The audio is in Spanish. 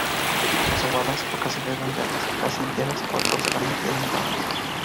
Hojas ovadas o casi redondeadas, casi enteras a toscamente dentadas.